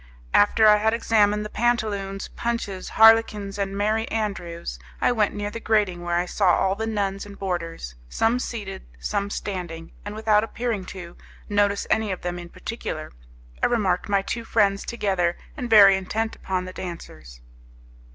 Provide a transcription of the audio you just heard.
After I had examined the Pantaloons, Punches, Harlequins, and Merry Andrews, I went near the grating, where I saw all the nuns and boarders, some seated, some standing, and, without appearing to, notice any of them in particular, I remarked my two friends together, and very intent upon the dancers.